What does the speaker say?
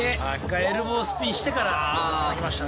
エルボースピンしてからつなぎましたね。